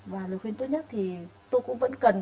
và lời khuyên tốt nhất thì tôi cũng vẫn cần